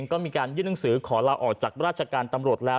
ก็มีการยื่นหนังสือขอลาออกจากราชการตำรวจแล้ว